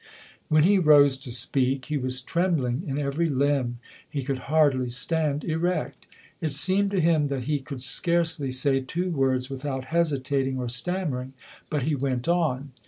When he rose to speak, he was trembling in every limb. He could hardly stand erect. It seemed to him that he could scarcely say two words without hesitating or stammering, but he went on.